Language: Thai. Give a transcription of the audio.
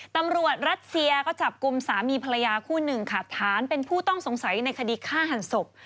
ตำรวจรัฐเซียก็จับกุมสามีพลายาคู่๑คาดฐานเป็นผู้ต้องสงสัยในคดีฆ่าหั่นศพ